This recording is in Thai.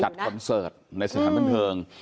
คอนเสิร์ตในสถานบันเทิง